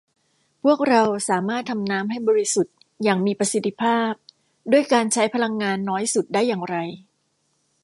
พวกเราสามารถทำน้ำให้บริสุทธิ์อย่างมีประสิทธิภาพด้วยการใช้พลังงานน้อยสุดได้อย่างไร